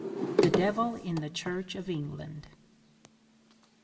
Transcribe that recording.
THE DEVIL IN THE CHURCH OF ENGLAND (1876.)